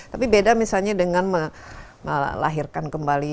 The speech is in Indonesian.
tapi beda misalnya dengan melahirkan kembali